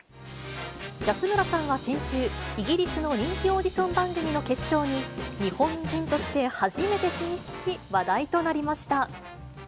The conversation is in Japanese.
安村さんは先週、イギリスの人気オーディション番組の決勝に、日本人として初めて進出し、話題となりました。